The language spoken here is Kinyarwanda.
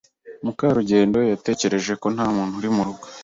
Mukarugendo yatekereje ko ntamuntu uri murugo.